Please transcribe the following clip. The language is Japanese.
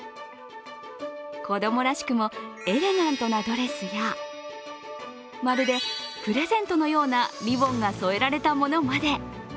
子供らしくもエレガントなドレスやまるでプレゼントのようなリボンが添えられたものまで。